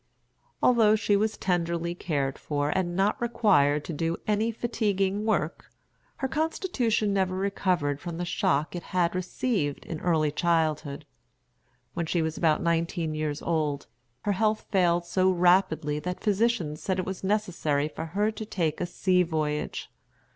Although she was tenderly cared for, and not required to do any fatiguing work, her constitution never recovered from the shock it had received in early childhood. When she was about nineteen years old, her health failed so rapidly that physicians said it was necessary for her to take a sea voyage.